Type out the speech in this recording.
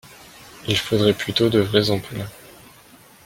Il faudrait plutôt de vrais emplois